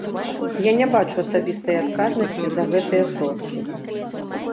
Я не бачу асабістай адказнасці за гэтыя сродкі.